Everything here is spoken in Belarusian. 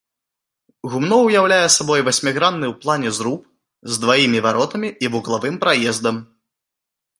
Гумно ўяўляе сабой васьмігранны ў плане зруб з дваімі варотамі і вуглавым праездам.